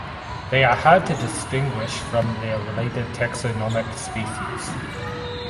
They are hard to distinguish from their related taxonomic species.